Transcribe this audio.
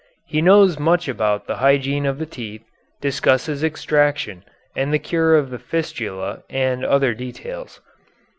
He knows much about the hygiene of the teeth, discusses extraction and the cure of fistula and other details.